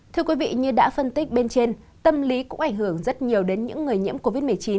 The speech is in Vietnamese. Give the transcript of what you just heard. thưa quý vị như đã phân tích bên trên tâm lý cũng ảnh hưởng rất nhiều đến những người nhiễm covid một mươi chín